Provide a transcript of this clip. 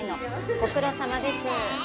ご苦労さまです。